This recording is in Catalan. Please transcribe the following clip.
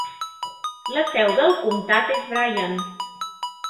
La seu del comtat és Bryan.